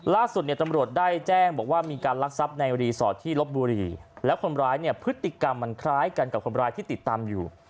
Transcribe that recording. ล่าสุดเนี่ยตำรวจได้แจ้งบอกว่ามีการลักทรัพย์ในรีสอร์ทที่ลบบุรีแล้วคนร้ายเนี่ยพฤติกรรมมันคล้ายกันกับคนร้ายที่ติดตามอยู่